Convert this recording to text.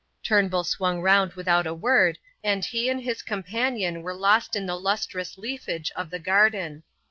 Turnbull swung round without a word, and he and his companion were lost in the lustrous leafage of the garden.